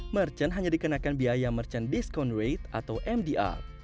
merchant hanya dikenakan biaya merchant discount rate atau mdr